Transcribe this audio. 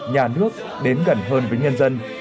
nhà nước đến gần hơn với nhân dân